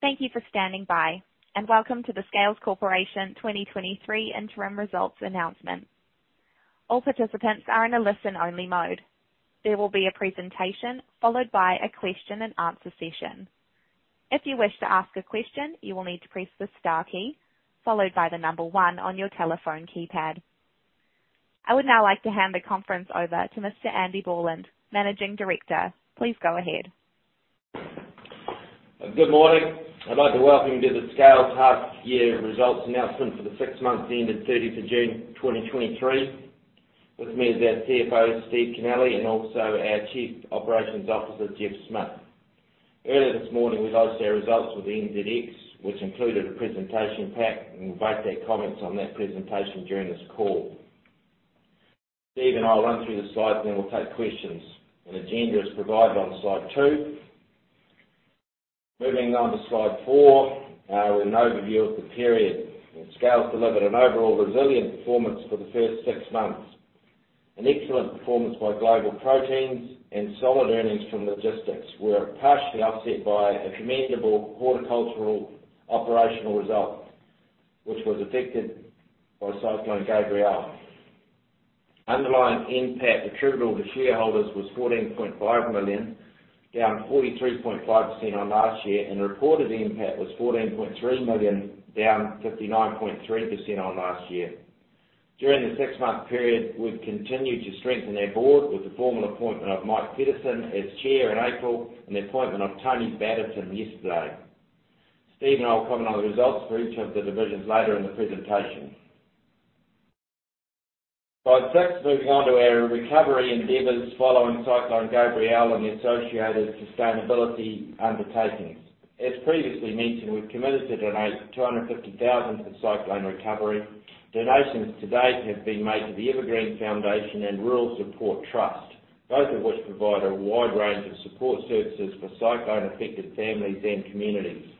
Thank you for standing by, welcome to the Scales Corporation 2023 interim results announcement. All participants are in a listen-only mode. There will be a presentation, followed by a question and answer session. If you wish to ask a question, you will need to press the star key, followed by the 1 on your telephone keypad. I would now like to hand the conference over to Mr. Andy Borland, Managing Director. Please go ahead. Good morning. I'd like to welcome you to the Scales half year results announcement for the 6 months ending 30 June 2023. With me is our CFO, Steve Kennelly, and also our Chief Operations Officer, Geoff Smith. Earlier this morning, we launched our results with the NZX, which included a presentation pack, and we invite their comments on that presentation during this call. Steve and I will run through the slides, and then we'll take questions. An agenda is provided on slide 2. Moving on to slide 4 with an overview of the period. Scales delivered an overall resilient performance for the first 6 months. An excellent performance by Global Proteins and solid earnings from logistics were partially offset by a commendable horticultural operational result, which was affected by Cyclone Gabrielle. Underlying NPAT attributable to shareholders was 14.5 million, down 43.5% on last year, and the reported NPAT was 14.3 million, down 59.3% on last year. During the six-month period, we've continued to strengthen our board with the formal appointment of Mike Petersen as Chair in April and the appointment of Tony Batterton yesterday. Steve and I will comment on the results for each of the divisions later in the presentation. Slide 6, moving on to our recovery endeavors following Cyclone Gabrielle and the associated sustainability undertakings. As previously mentioned, we've committed to donate 250,000 for cyclone recovery. Donations to date have been made to The Evergreen Foundation and Rural Support Trust, both of which provide a wide range of support services for cyclone-affected families and communities.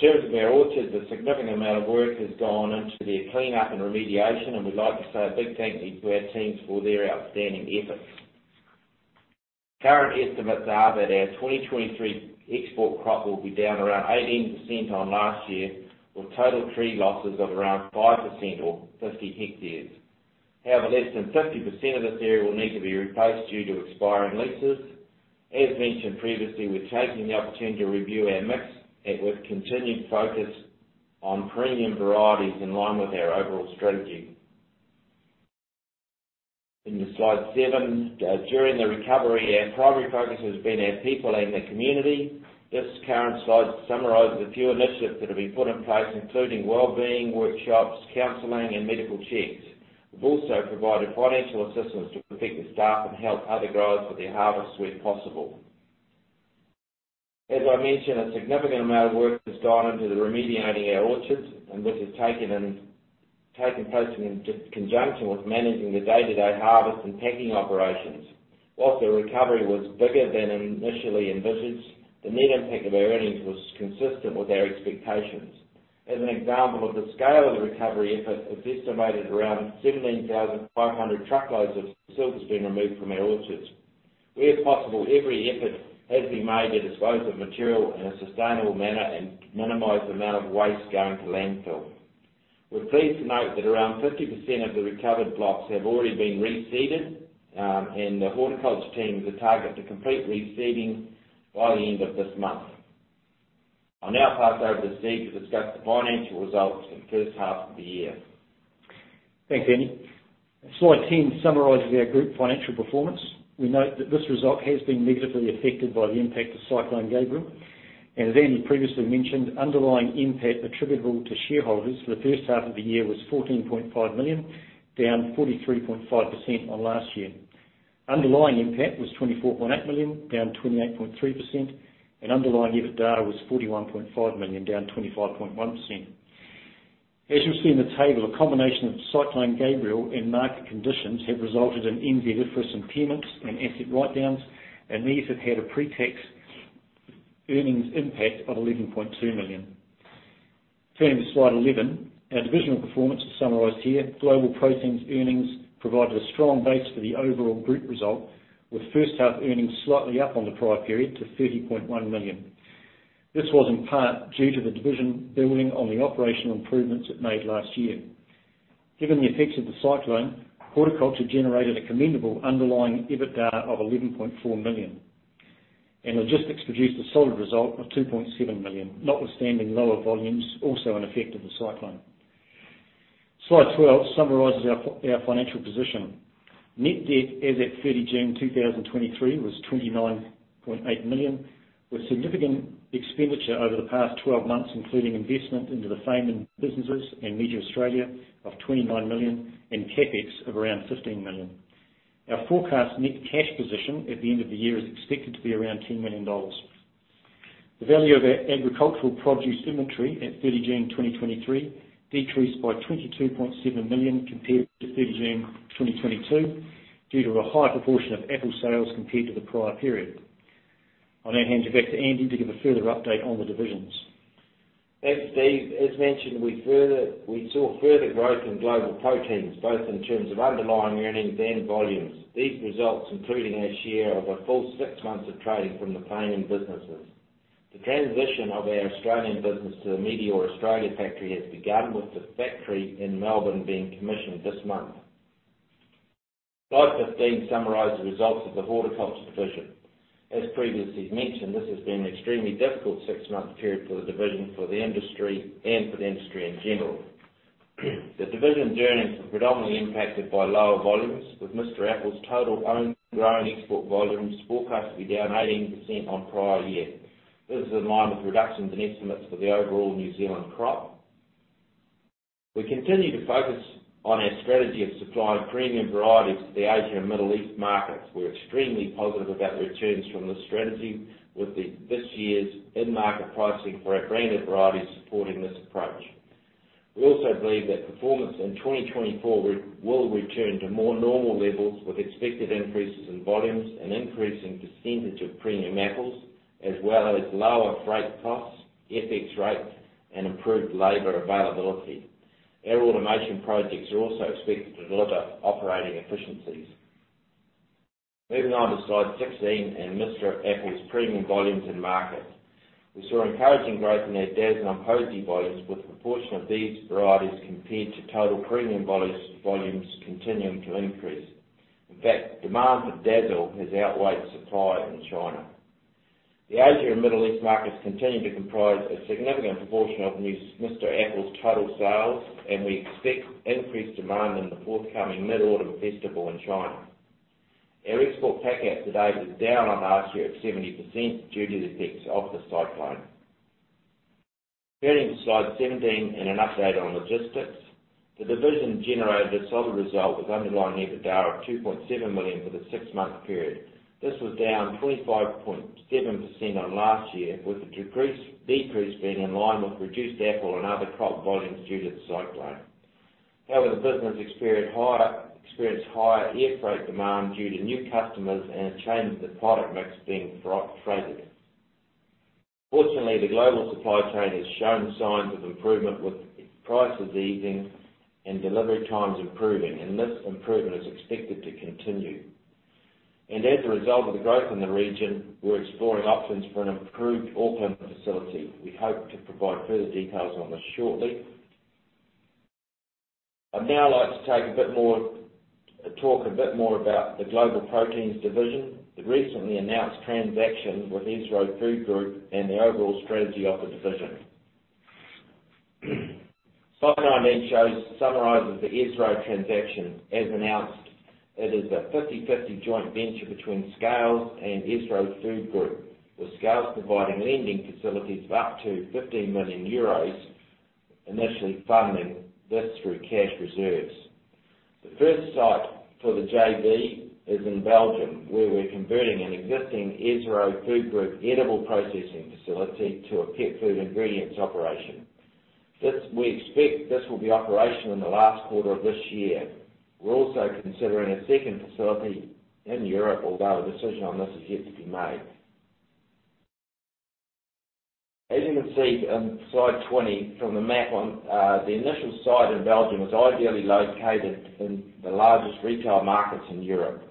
In terms of our orchards, a significant amount of work has gone into their cleanup and remediation, and we'd like to say a big thank you to our teams for their outstanding efforts. Current estimates are that our 2023 export crop will be down around 18% on last year, with total tree losses of around 5% or 50 hectares. However, less than 50% of this area will need to be replaced due to expiring leases. As mentioned previously, we're taking the opportunity to review our mix, and with continued focus on premium varieties in line with our overall strategy. In the slide 7, during the recovery, our primary focus has been our people and the community. This current slide summarizes a few initiatives that have been put in place, including well-being, workshops, counseling, and medical checks. We've also provided financial assistance to affected staff and helped other growers with their harvest where possible. As I mentioned, a significant amount of work has gone into the remediating our orchards, and this has taken place in just conjunction with managing the day-to-day harvest and packing operations. Whilst the recovery was bigger than initially envisaged, the net impact of our earnings was consistent with our expectations. As an example of the scale of the recovery effort, it's estimated around 17,500 truckloads of silt has been removed from our orchards. Where possible, every effort has been made to dispose of material in a sustainable manner and minimize the amount of waste going to landfill. We're pleased to note that around 50% of the recovered blocks have already been reseeded, and the horticulture team is a target to complete reseeding by the end of this month. I'll now pass over to Steve to discuss the financial results in the first half of the year. Thanks, Andy. Slide 10 summarizes our group financial performance. We note that this result has been negatively affected by the impact of Cyclone Gabrielle. As Andy previously mentioned, underlying NPAT attributable to shareholders for the first half of the year was 14.5 million, down 43.5% on last year. Underlying NPAT was 24.8 million, down 28.3%. Underlying EBITDA was 41.5 million, down 25.1%. As you'll see in the table, a combination of Cyclone Gabrielle and market conditions have resulted in increased interest and payments and asset write-downs. These have had a pre-tax earnings impact of 11.2 million. Turning to slide 11, our divisional performance is summarized here. Global Proteins earnings provided a strong base for the overall group result, with first-half earnings slightly up on the prior period to 30.1 million. This was in part due to the division building on the operational improvements it made last year. Given the effects of the cyclone, horticulture generated a commendable underlying EBITDA of 11.4 million, and logistics produced a solid result of 2.7 million, notwithstanding lower volumes, also an effect of the cyclone. Slide 12 summarizes our financial position. Net debt as at June 30, 2023 was 29.8 million, with significant expenditure over the past 12 months, including investment into the farming businesses in Asia Australia of 29 million and CapEx of around 15 million. Our forecast net cash position at the end of the year is expected to be around 10 million dollars. The value of our agricultural produce inventory at June 30, 2023 decreased by 22.7 million compared to June 30, 2022, due to a high proportion of apple sales compared to the prior period. I'll now hand you back to Andy to give a further update on the divisions. Thanks, Steve. As mentioned, we saw further growth in Global Proteins, both in terms of underlying earnings and volumes. These results, including our share of a full 6 months of trading from the farming businesses. The transition of our Australian business to the Meateor Australia factory has begun, with the factory in Melbourne being commissioned this month. Slide 15 summarizes the results of the horticulture division. As previously mentioned, this has been an extremely difficult 6-month period for the division, for the industry in general. The division's earnings were predominantly impacted by lower volumes, with Mr. Apple total owned growing export volumes forecast to be down 18% on prior year. This is in line with reductions in estimates for the overall New Zealand crop. We continue to focus on our strategy of supplying premium varieties to the Asia and Middle East markets. We're extremely positive about the returns from this strategy, with the, this year's end market pricing for our greener varieties supporting this approach. We also believe that performance in 2024 will, will return to more normal levels, with expected increases in volumes and increasing percentage of premium apples, as well as lower freight costs, FX rates, and improved labor availability. Our automation projects are also expected to deliver operating efficiencies. Moving on to slide 16, and Mr. Apple' premium volumes in market. We saw encouraging growth in our Dazzle and Posy volumes, with proportion of these varieties compared to total premium volumes, volumes continuing to increase. In fact, demand for Dazzle has outweighed supply in China. The Asia and Middle East markets continue to comprise a significant proportion of new Mr. Apple' total sales, and we expect increased demand in the forthcoming Mid-Autumn Festival in China. Our export pack-out to date is down on last year at 70%, due to the effects of Cyclone Gabrielle. Turning to slide 17 and an update on logistics. The division generated a solid result with underlying EBITDA of 2.7 million for the six-month period. This was down 25.7% on last year, with the decrease being in line with reduced apple and other crop volumes due to Cyclone Gabrielle. However, the business experienced higher air freight demand due to new customers and a change in the product mix being traded. Fortunately, the global supply chain has shown signs of improvement, with prices easing and delivery times improving, and this improvement is expected to continue. As a result of the growth in the region, we're exploring options for an improved Auckland facility. We hope to provide further details on this shortly. I'd now like to talk a bit more about the Global Proteins division, the recently announced transaction with Esro Food Group, and the overall strategy of the division. Slide 19 shows, summarizes the Esro transaction. As announced, it is a 50/50 joint venture between Scales and Esro Food Group, with Scales providing lending facilities of up to 15 million euros, initially funding this through cash reserves. The first site for the JV is in Belgium, where we're converting an existing Esro Food Group edible processing facility to a pet food ingredients operation. We expect this will be operational in the last quarter of this year. We're also considering a second facility in Europe, although a decision on this is yet to be made. As you can see on Slide 20, from the map on, the initial site in Belgium is ideally located in the largest retail markets in Europe.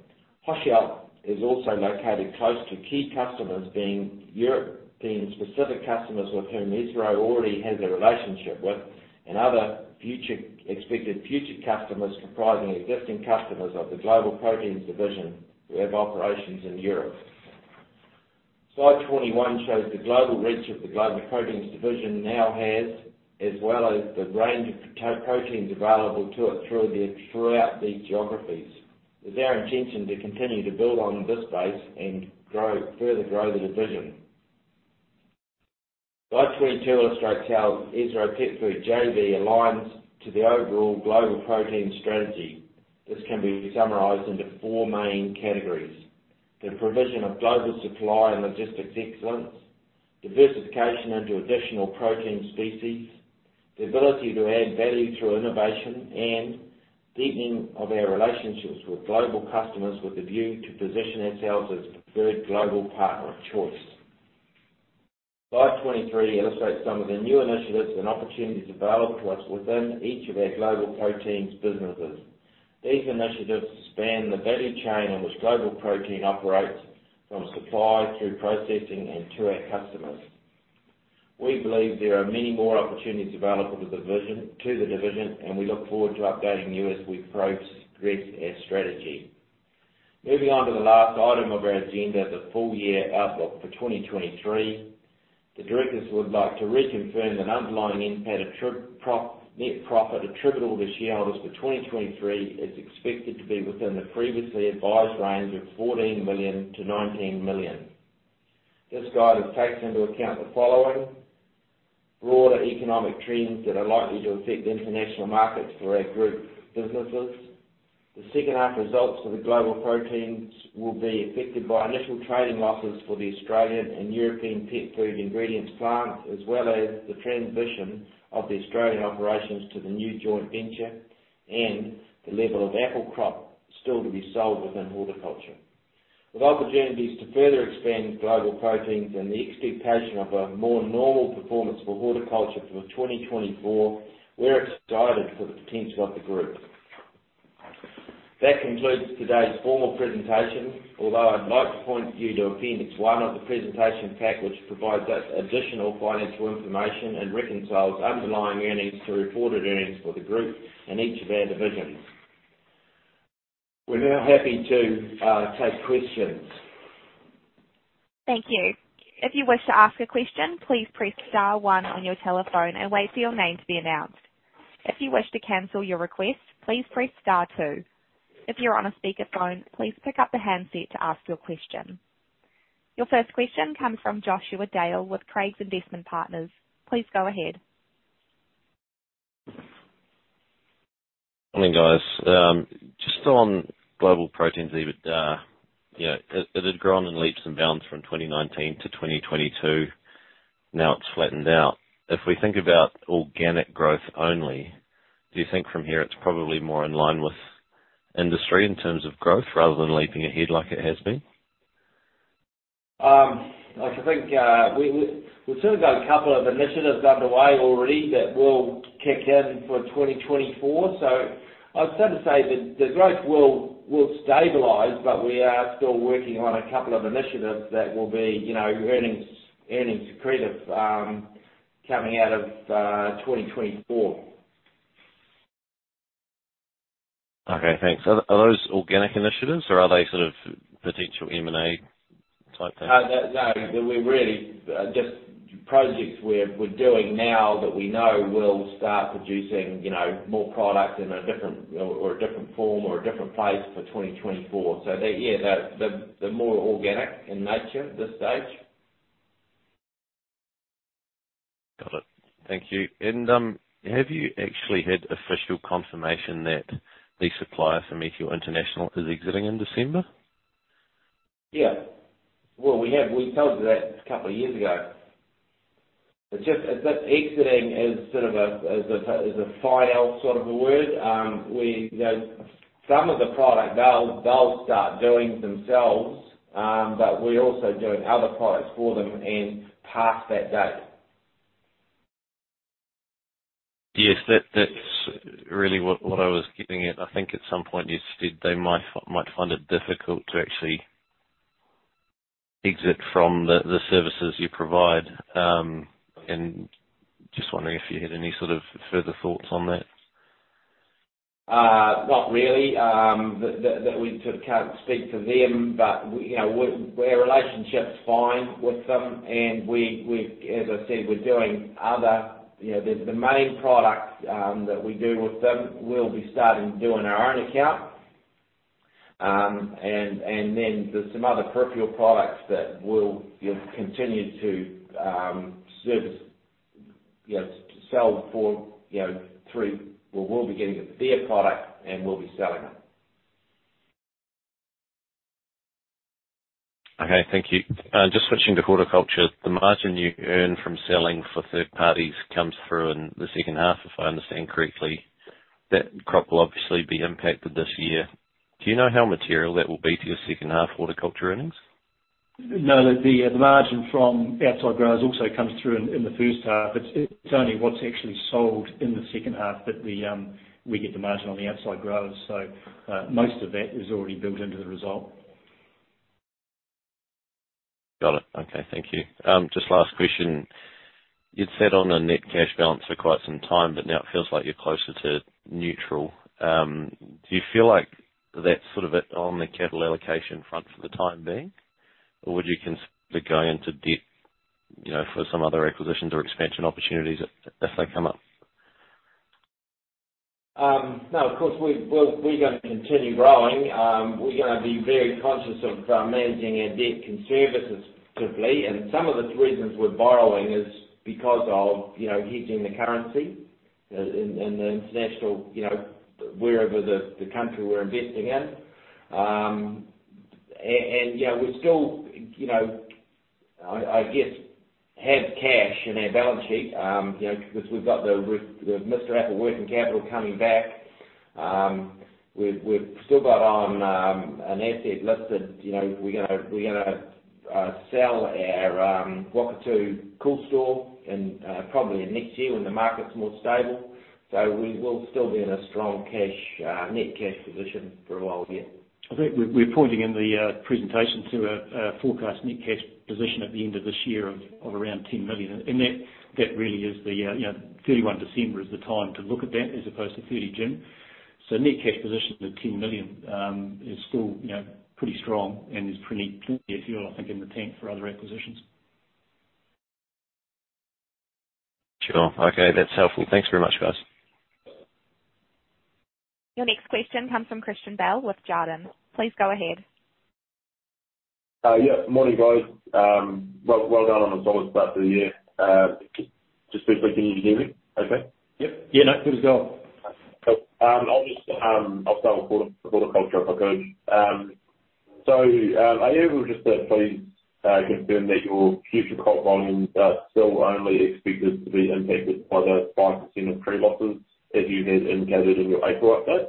Hoeselt is also located close to key customers, being Europe, being specific customers with whom Esro already has a relationship with, and other future, expected future customers, comprising existing customers of the Global Proteins division, who have operations in Europe. Slide 21 shows the global reach of the Global Proteins division now has, as well as the range of proteins available to it throughout these geographies. It's our intention to continue to build on this base and grow, further grow the division. Slide 22 illustrates how Esro Petfood JV aligns to the overall global protein strategy. This can be summarized into four main categories: the provision of global supply and logistics excellence, diversification into additional protein species, the ability to add value through innovation, and deepening of our relationships with global customers with a view to position ourselves as the preferred global partner of choice. Slide 23 illustrates some of the new initiatives and opportunities available to us within each of our Global Proteins businesses. These initiatives span the value chain in which Global Proteins operates, from supply through processing, and to our customers. We believe there are many more opportunities available to the division, and we look forward to updating you as we progress our strategy. Moving on to the last item of our agenda, the full year outlook for 2023. The directors would like to reconfirm that underlying NPAT, net profit attributable to shareholders for 2023 is expected to be within the previously advised range of 14 million-19 million. This guidance takes into account the following: broader economic trends that are likely to affect the international markets for our group businesses. The second half results for the Global Proteins will be affected by initial trading losses for the Australian and European pet food ingredients plant, as well as the transition of the Australian operations to the new joint venture, and the level of apple crop still to be sold within horticulture. With opportunities to further expand Global Proteins and the expectation of a more normal performance for horticulture for 2024, we're excited for the potential of the group. That concludes today's formal presentation, although I'd like to point you to appendix 1 of the presentation pack, which provides us additional financial information and reconciles underlying earnings to reported earnings for the group in each of our divisions. We're now happy to take questions. Thank you. If you wish to ask a question, please press star one on your telephone and wait for your name to be announced. If you wish to cancel your request, please press star two. If you're on a speakerphone, please pick up the handset to ask your question. Your first question comes from Joshua Dale with Craigs Investment Partners. Please go ahead. Morning, guys. just on Global Proteins, even, you know, it, it had grown in leaps and bounds from 2019 to 2022, now it's flattened out. If we think about organic growth only, do you think from here it's probably more in line with industry in terms of growth, rather than leaping ahead like it has been? I think, we've sort of got a couple of initiatives underway already that will kick in for 2024. I'd say to say that the growth will, will stabilize, but we are still working on a couple of initiatives that will be, you know, earnings, earnings accretive, coming out of 2024. Okay, thanks. Are those organic initiatives or are they sort of potential M&A type things? No, they're we're really, just projects we're, we're doing now that we know will start producing, you know, more product in a different, or, or a different form, or a different place for 2024. They're, yeah, they're, they're more organic in nature at this stage. Got it. Thank you. Have you actually had official confirmation that the supplier for Mis exiting in December? Yeah. Well, we have. We told you that a couple of years ago. It's just. Exiting is sort of a, as a, as a final sort of a word. We, you know, some of the product they'll, they'll start doing themselves, but we're also doing other products for them and past that date. Yes, that, that's really what, what I was getting at. I think at some point you said they might find it difficult to actually exit from the, the services you provide. Just wondering if you had any sort of further thoughts on that? Not really. That we sort of can't speak to them, but we, you know, our relationship's fine with them, and we've as I said, we're doing other, you know, the, the main products that we do with them, we'll be starting to do on our own account. Then there's some other peripheral products that we'll, you know, continue to service, you know, sell for, you know, through... We, we'll be getting at their product, and we'll be selling them. Okay, thank you. Just switching to horticulture, the margin you earn from selling for third parties comes through in the second half, if I understand correctly. That crop will obviously be impacted this year. Do you know how material that will be to your second half horticulture earnings? No, the, the margin from outside growers also comes through in, in the first half. It's, it's only what's actually sold in the second half that the, we get the margin on the outside growers. Most of that is already built into the result. Got it. Okay, thank you. Just last question: You'd sat on a net cash balance for quite some time, but now it feels like you're closer to neutral. Do you feel like that's sort of it on the capital allocation front for the time being, or would you consider going into debt, you know, for some other acquisitions or expansion opportunities if they come up? No, of course, we, we'll, we're gonna continue growing. We're gonna be very conscious of managing our debt conservatively. Some of the reasons we're borrowing is because of, you know, hedging the currency in, in the international, you know, wherever the, the country we're investing in. You know, we still, you know, I, I guess, have cash in our balance sheet. You know, because we've got the, the Mr. Apple working capital coming back. We've, we've still got on an asset listed, you know, we're gonna, we're gonna sell our Whakatu cool store in probably in next year when the market's more stable. We will still be in a strong cash, net cash position for a while yet. I think we're pointing in the presentation to a forecast net cash position at the end of this year of around 10 million, and that really is the, you know, 31 December is the time to look at that, as opposed to 30 June. Net cash position of 10 million is still, you know, pretty strong and there's plenty, plenty of fuel, I think, in the tank for other acquisitions. Sure. Okay, that's helpful. Thanks very much, guys. Your next question comes from Guy Hooper with Jarden. Please go ahead. Yeah, morning, guys. Well, well done on the solid start to the year. Just quickly, can you hear me okay? Yep. Yeah. No, good to go. Cool. I'll just, I'll start with horticulture, if I could. So, are you able just to confirm that your future crop volumes are still only expected to be impacted by the 5% of tree losses, as you had indicated in your April update?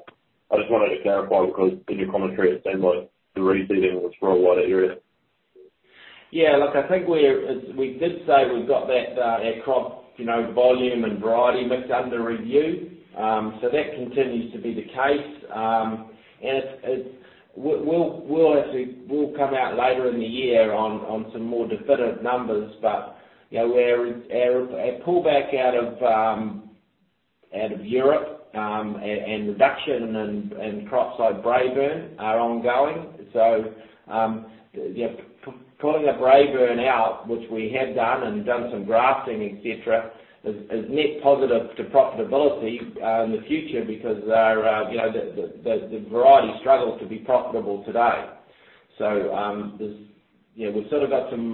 I just wanted to clarify, because in your commentary, it seemed like the reseeding was for a wider area. Yeah, look, I think we're, we did say we've got that, our crop, you know, volume and variety mix under review. That continues to be the case. It, it, we'll, we'll actually, we'll come out later in the year on, on some more definitive numbers. You know, our, our, our pullback out of, out of Europe, and reduction in, in crops like Braeburn are ongoing. Pulling a Braeburn out, which we have done, and done some grafting, et cetera, is, is net positive to profitability, in the future, because our, you know, the, the, the variety struggles to be profitable today. There's, you know, we've sort of got some,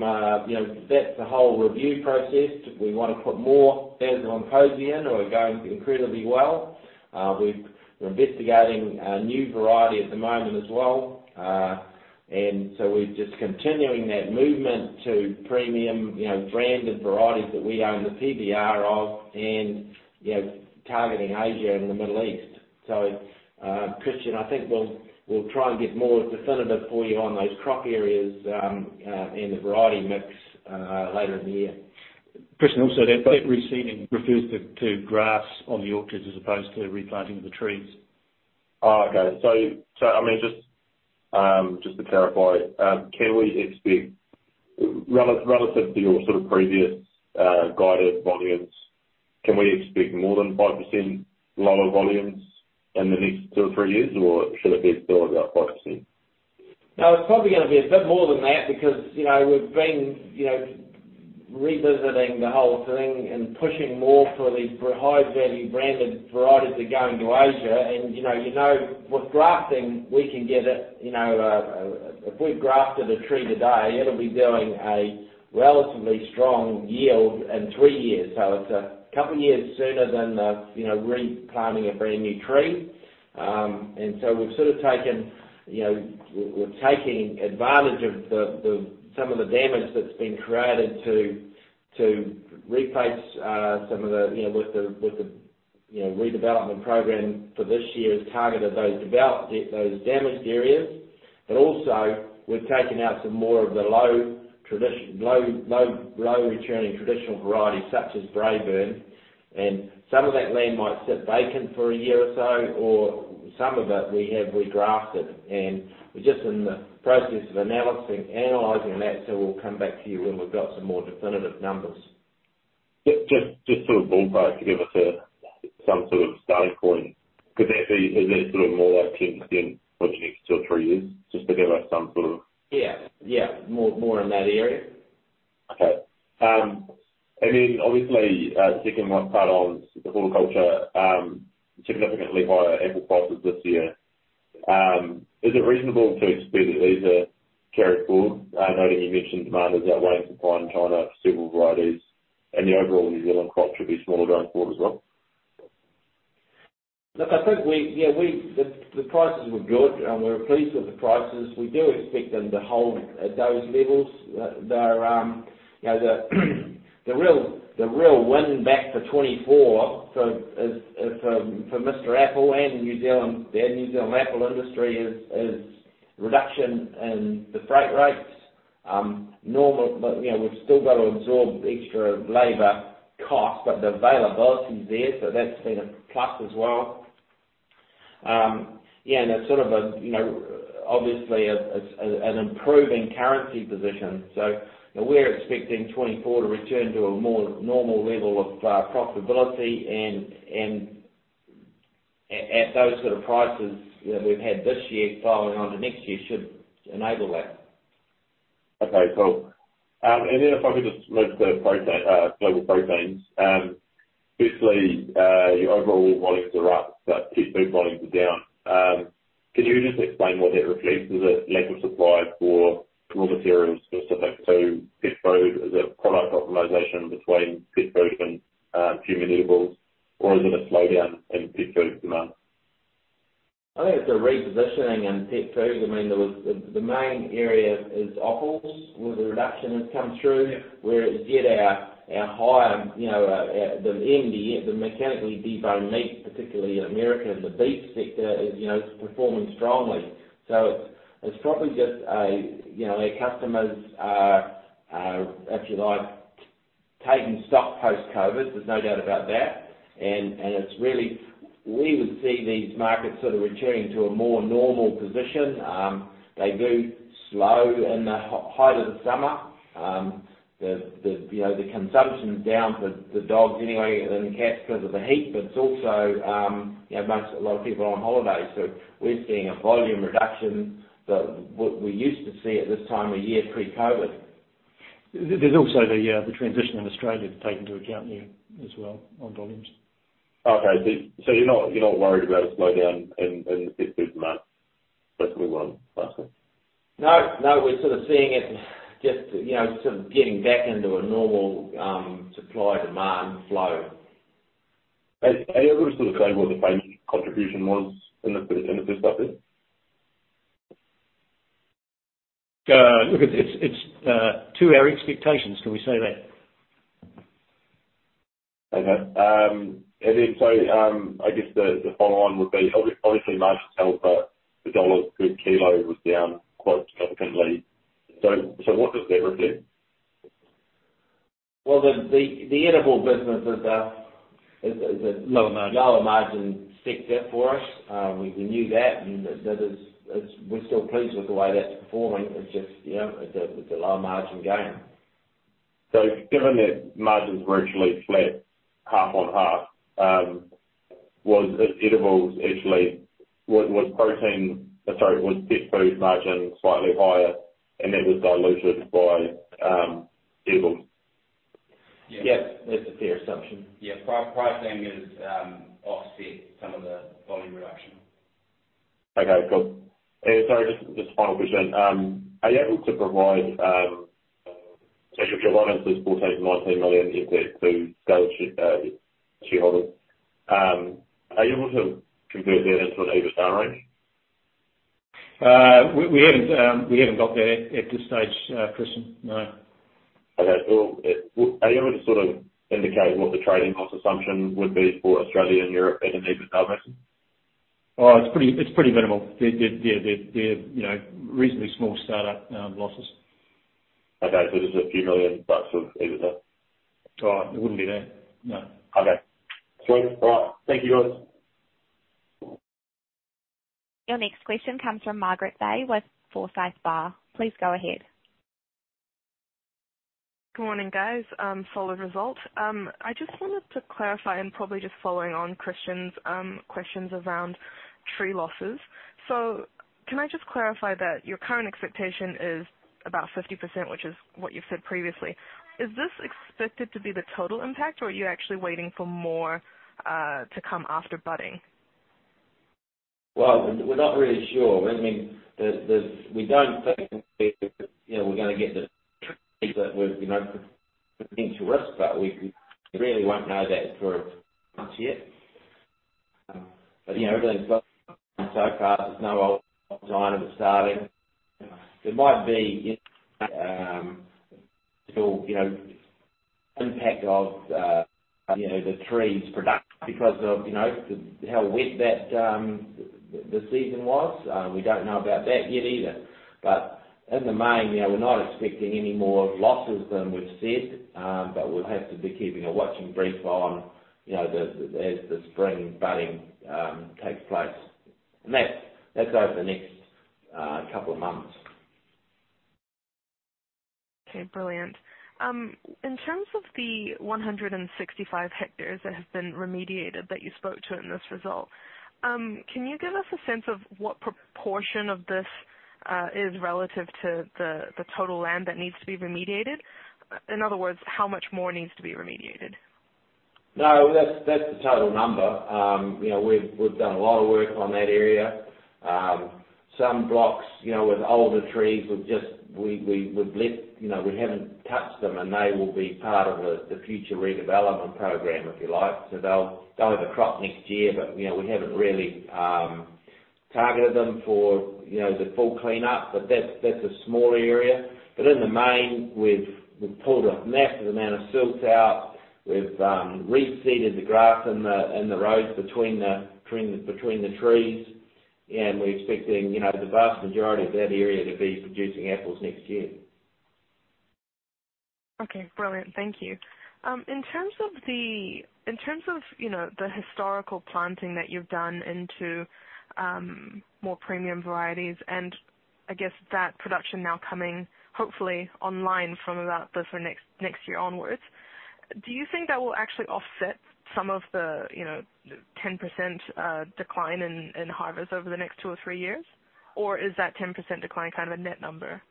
you know, that's the whole review process. We want to put more Dazzle and Posy are going incredibly well. We're, we're investigating a new variety at the moment as well. And so we're just continuing that movement to premium, you know, branded varieties that we own the PBR of, and, you know, targeting Asia and the Middle East. Christian, I think we'll, we'll try and get more definitive for you on those crop areas, and the variety mix, later in the year. Christian, also, that, that reseeding refers to, to grass on the orchards, as opposed to replanting of the trees. Oh, okay. I mean, just, just to clarify, can we expect relative to your sort of previous, guided volumes, can we expect more than 5% lower volumes in the next 2 or 3 years? Or should it be still about 5%? No, it's probably gonna be a bit more than that, because, you know, we've been, you know, revisiting the whole thing and pushing more for these high-value, branded varieties that are going to Asia. You know, you know, with grafting, we can get it, you know, if we've grafted a tree today, it'll be doing a relatively strong yield in 3 years. It's a couple years sooner than, you know, replanting a brand-new tree. We've sort of taken, you know, we're taking advantage of the, the, some of the damage that's been created to, to replace, some of the, you know, with the, with the, you know, redevelopment program for this year is targeted those developed, those damaged areas. Also, we've taken out some more of the low, low, low-returning traditional varieties, such as Braeburn. Some of that land might sit vacant for a year or so, or some of it we have regrafted, and we're just in the process of analyzing, analyzing that, so we'll come back to you when we've got some more definitive numbers. Just, just to ballpark, to give us a, some sort of starting point, could that be, is it sort of more like 10% for the next 2 or 3 years, just to give us some sort of-? Yeah. Yeah, more, more in that area. Okay, obviously, sticking one part on the horticulture, significantly higher apple prices this year. Is it reasonable to expect that these are carried forward? I know that you mentioned demand is outweighing supply in China, several varieties, and the overall New Zealand crop should be smaller going forward as well. Look, I think we, yeah, we. The prices were good, and we were pleased with the prices. We do expect them to hold at those levels. They are, you know, the real, the real win back for 2024, so, is, for Mr. Apple and New Zealand, the New Zealand apple industry, is reduction in the freight rates. Normal, but, you know, we've still got to absorb extra labor costs, but the availability's there, so that's been a plus as well. Yeah, and it's sort of a, you know, obviously an improving currency position. We're expecting 2024 to return to a more normal level of profitability, and at those sort of prices that we've had this year, following on to next year, should enable that. Okay, cool. If I could just move to protein, Global Proteins. Basically, your overall volumes are up, but pet food volumes are down. Can you just explain what that reflects? Is it lack of supply for raw materials specific to pet food? Is it product optimization between pet food and human edibles, or is it a slowdown in pet food demand? I think it's a repositioning in pet food. I mean, The main area is offals, where the reduction has come through. Yeah. Where it is yet our, our higher, you know, the MDB, the mechanically deboned meat, particularly in America, the beef sector is, you know, performing strongly. It's, it's probably just a, you know, our customers are, if you like, taking stock post-COVID. There's no doubt about that. It's really, we would see these markets sort of returning to a more normal position. They do slow in the height of the summer. You know, the consumption's down for the dogs anyway, and the cats because of the heat. It's also, you know, most, a lot of people are on holiday. We're seeing a volume reduction, that what we used to see at this time of year pre-COVID. There's also the transition in Australia to take into account there as well, on volumes. Okay. You're not, you're not worried about a slowdown in, in pet food demand, that's where we are, basically? No, no, we're sort of seeing it just, you know, sort of getting back into a normal supply/demand flow. Are you able to sort of say what the final contribution was in the first half year? look, it's, it's, to our expectations, can we say that? Okay. Then, I guess the, the follow on would be obviously margin tell, but the NZD per kilo was down quite significantly. What does that reflect? Well, the edible business is a. Lower margin. Lower margin sector for us. We, we knew that, and that is, we're still pleased with the way that's performing. It's just, you know, it's a, it's a lower margin game. Given that margins were virtually flat, half on half, was edibles actually, was protein, sorry, was pet food margin slightly higher, and that was diluted by, edibles? Yeah. That's a fair assumption. Yeah. Pricing is offset some of the volume reduction. Okay, cool. Sorry, just, just final question. Are you able to provide, so if you're wanting to support NZD 18.9 million in debt to scale shareholders, are you able to convert that into an EBITDAR range? We, we haven't, we haven't got that at, at this stage, Christian. No. Okay. Well, are you able to sort of indicate what the trading cost assumption would be for Australia and Europe as an EBITDAR margin? Oh, it's pretty, it's pretty minimal. They're, they're, they're, you know, reasonably small startup losses. Okay. just NZD a few million of EBITDAR? It wouldn't be that. No. Okay. Great. All right. Thank you, guys. Your next question comes from Margaret Bei, with Forsyth Barr. Please go ahead. Good morning, guys. Solid result. I just wanted to clarify, and probably just following on Guy's questions around tree losses. Can I just clarify that your current expectation is about 50%, which is what you've said previously. Is this expected to be the total impact, or are you actually waiting for more to come after budding? Well, we're not really sure. I mean, there's, there's, we don't think, you know, we're gonna get the, you know, potential risk, but we, we really won't know that for much yet. You know, everything's gone so far. There's no old sign of it starting. There might be, still, you know, impact of, you know, the trees production because of, you know, how wet that, the season was. We don't know about that yet either. In the main, you know, we're not expecting any more losses than we've seen, but we'll have to be keeping a watching brief on, you know, the, as the spring budding, takes place. That's, that's over the next, couple of months. Okay, brilliant. In terms of the 165 hectares that have been remediated that you spoke to in this result, can you give us a sense of what proportion of this is relative to the total land that needs to be remediated? In other words, how much more needs to be remediated? That's, that's the total number. You know, we've, we've done a lot of work on that area. Some blocks, you know, with older trees, we've just, we've left, you know, we haven't touched them, and they will be part of the future redevelopment program, if you like. They'll, they'll have a crop next year, but, you know, we haven't really targeted them for, you know, the full cleanup, but that's, that's a small area. In the main, we've, we've pulled a massive amount of silt out. We've reseeded the grass in the roads between the trees, and we're expecting, you know, the vast majority of that area to be producing apples next year. Okay, brilliant. Thank you. In terms of, you know, the historical planting that you've done into more premium varieties, and I guess that production now coming hopefully online from about the next year onwards, do you think that will actually offset some of the, you know, 10% decline in harvest over the next two or three years? Or is that 10% decline kind of a net number?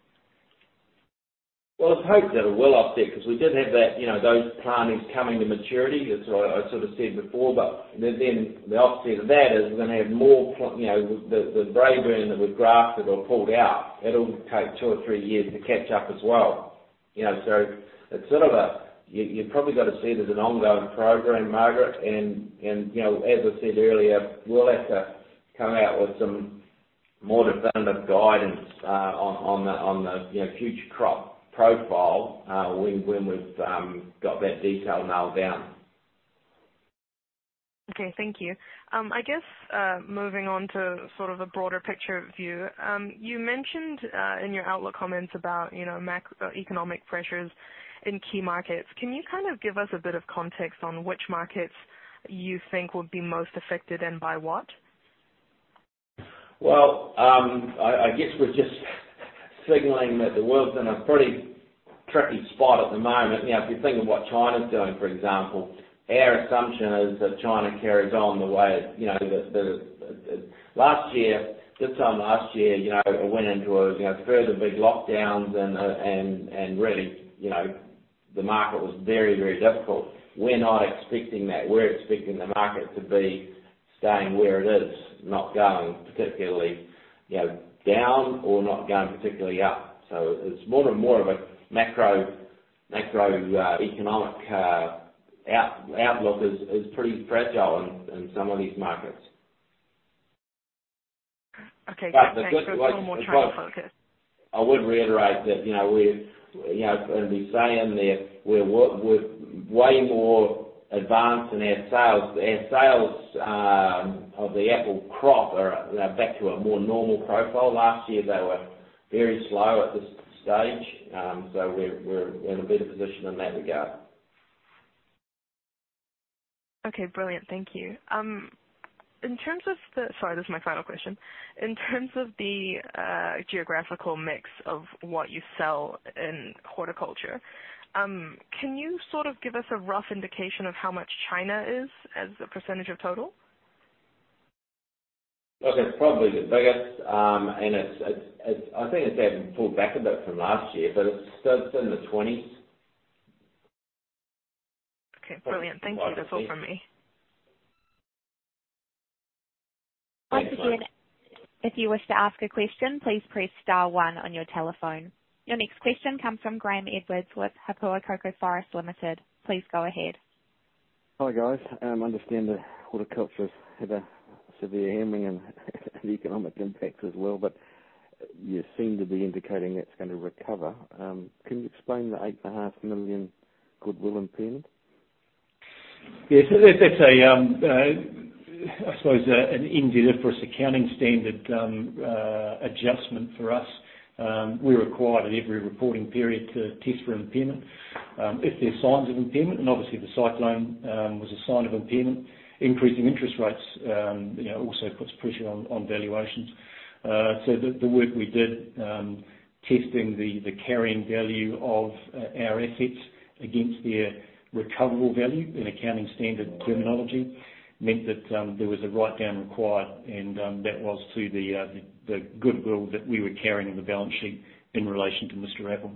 I hope that it will offset because we did have that, you know, those plantings coming to maturity, as I, I sort of said before, but then, then the offset of that is we're gonna have more, you know, the, the Braeburn that we've grafted or pulled out, it'll take two or three years to catch up as well. You know, it's sort of a. You, you've probably got to see it as an ongoing program, Margaret. You know, as I said earlier, we'll have to come out with some more definitive guidance on, on the, on the, you know, future crop profile when, when we've got that detail nailed down. Okay, thank you. I guess, moving on to sort of a broader picture view. You mentioned, in your outlook comments about, you know, economic pressures in key markets. Can you kind of give us a bit of context on which markets you think would be most affected and by what? Well, I guess we're just signaling that the world's in a pretty tricky spot at the moment. You know, if you think of what China's doing, for example, our assumption is that China carries on the way, you know, Last year, this time last year, you know, it went into a, you know, further big lockdowns, and really, you know, the market was very, very difficult. We're not expecting that. We're expecting the market staying where it is, not going particularly, you know, down or not going particularly up. So it's more and more of a macro, macro, economic outlook is, is pretty fragile in, in some of these markets. Okay, great. The good way-. Thanks for more trying to focus. I would reiterate that, you know, we're, you know, in saying that we're, we're way more advanced in our sales. Our sales of the apple crop are back to a more normal profile. Last year, they were very slow at this stage. We're in a better position in that regard. Okay, brilliant. Thank you. Sorry, this is my final question. In terms of the geographical mix of what you sell in horticulture, can you sort of give us a rough indication of how much China is as a percentage of total? Look, it's probably the biggest, and I think it's even pulled back a bit from last year, but it's still it's in the 20s. Okay, brilliant. Right. Thank you. That's all from me. Once again, if you wish to ask a question, please press star one on your telephone. Your next question comes from Graeme Edwards with Hapuakoe Forests Limited. Please go ahead. Hi, guys. I understand the horticulture's had a severe handling and economic impact as well, but you seem to be indicating that's going to recover. Can you explain the 8.5 million goodwill impairment? Yes, so that, that's a, I suppose, an IFRS accounting standard, adjustment for us. We're required at every reporting period to test for impairment. If there are signs of impairment, and obviously, the cyclone was a sign of impairment, increasing interest rates, you know, also puts pressure on, on valuations. The, the work we did, testing the, the carrying value of our assets against their recoverable value in accounting standard terminology, meant that there was a write-down required, and that was to the, the goodwill that we were carrying on the balance sheet in relation to Mr. Apple.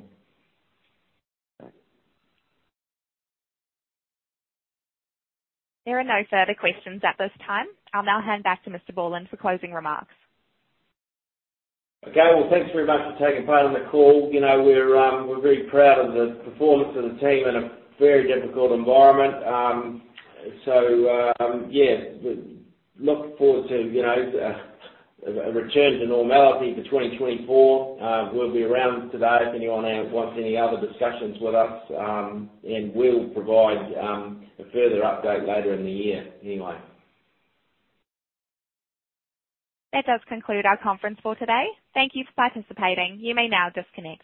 There are no further questions at this time. I'll now hand back to Mr. Borland for closing remarks. Okay. Well, thanks very much for taking part in the call. You know, we're, we're very proud of the performance of the team in a very difficult environment. Yeah, we look forward to, you know, a return to normality for 2024. We'll be around today if anyone wants any other discussions with us, and we'll provide a further update later in the year, anyway. That does conclude our conference for today. Thank you for participating. You may now disconnect.